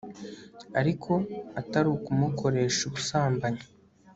ariko atari ukumukoresha ubusambanyi